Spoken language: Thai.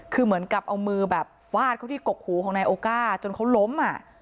คือเหมือนกับเอามือแบบฟาดเขาที่กกหูของนายโอก้าจนเขาล้มอ่ะ